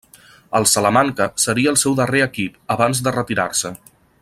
El Salamanca seria el seu darrer equip abans de retirar-se.